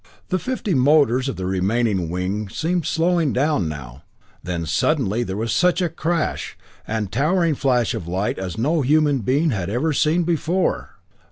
The fifty motors of the remaining wing seemed slowing down now then suddenly there was such a crash and towering flash of light as no human being had ever seen before!